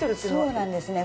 そうなんですね。